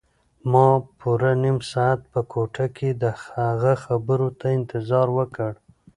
ما پوره نیم ساعت په کوټه کې د هغه خبرو ته انتظار وکړ.